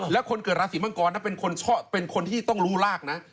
แล้วคนเกิดราศีมังกรเป็นคนที่ต้องรู้รากนะ